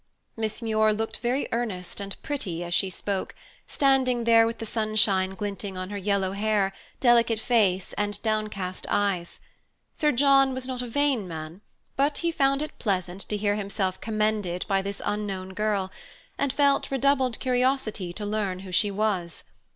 Miss Muir looked very earnest and pretty as she spoke, standing there with the sunshine glinting on her yellow hair, delicate face, and downcast eyes. Sir John was not a vain man, but he found it pleasant to hear himself commended by this unknown girl, and felt redoubled curiosity to learn who she was.